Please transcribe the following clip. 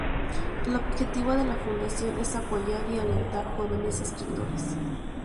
El objetivo de la fundación es apoyar y alentar jóvenes escritores.